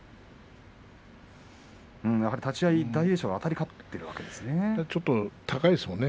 立ち合い、大栄翔あたり勝っているわけですね。